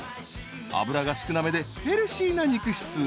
［脂が少なめでヘルシーな肉質］